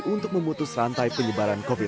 untuk memutus rantai penyebaran covid sembilan belas